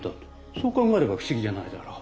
そう考えれば不思議じゃないだろう。